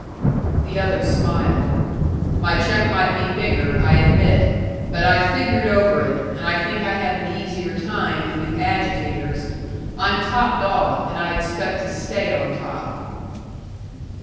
The other smiled. "My check might be bigger, I admit; but I've figured over it, and I think I have an easier time than you agitators. I'm top dog, and I expect to stay on top."